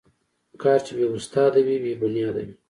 کار چې بې استاد وي، بې بنیاد وي.